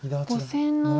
５線の。